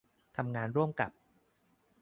ทำงานร่วมกับ